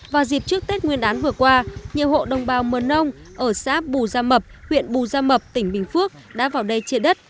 vào dịp trước tết nguyên đán vừa qua nhiều hộ đồng bào mờ nông ở xã bù gia mập huyện bù gia mập tỉnh bình phước đã vào đây chia đất